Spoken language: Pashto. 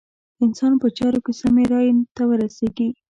انسان په چارو کې سمې رايې ته ورسېږي.